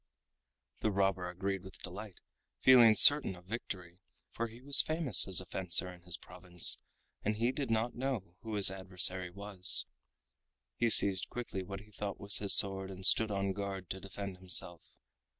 The robber agreed with delight, feeling certain of victory, for he was famous as a fencer in his province and he did not know who his adversary was. He seized quickly what he thought was his sword and stood on guard to defend himself.